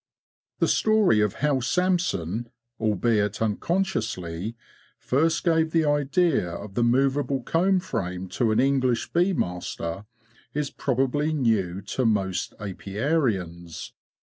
The story of how Samson, albeit unconsciously, first gave the idea of the movable comb frame to an English bee master is probably new to most apiarians.